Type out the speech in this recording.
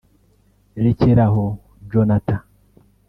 Rekeraho Jonathan